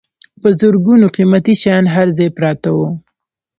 په زرګونو قیمتي شیان هر ځای پراته وو.